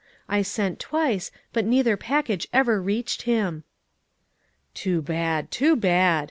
I sent twice, but neither package ever reached him." "Too bad! too bad!"